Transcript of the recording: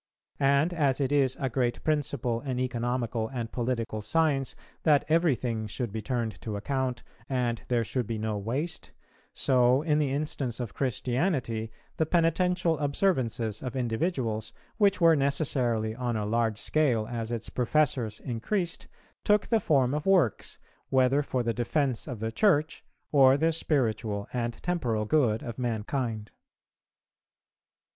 And, as it is a great principle in economical and political science that everything should be turned to account, and there should be no waste, so, in the instance of Christianity, the penitential observances of individuals, which were necessarily on a large scale as its professors increased, took the form of works, whether for the defence of the Church, or the spiritual and temporal good of mankind.